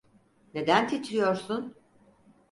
Neden titriyorsun?